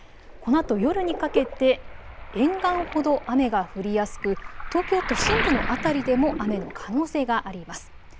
このあと夜にかけて沿岸ほど雨が降りやすく東京都心部の辺りでも雨の可能性があります。